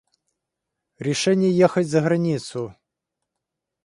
Решение ехать за границу.